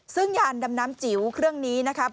ซึ่งยานดำน้ำจิ๋วเครื่องนี้นะครับ